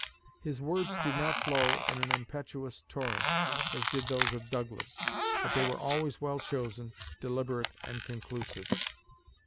His words did not flow in an impetuous torrent, as did those of Douglas; but they were always well chosen, deliberate and conclusive."